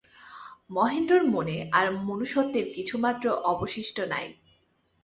মহেন্দ্রের মনে আর মনুষ্যত্বের কিছুমাত্র অবশিষ্ট নাই।